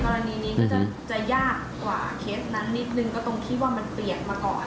ก็ต้องที่ว่ามันเปียกมาก่อน